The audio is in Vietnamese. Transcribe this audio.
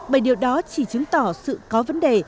bởi điều đó chỉ chứng tỏ sự có vấn đề